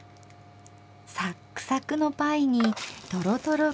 サックサクのパイにとろとろクリーム。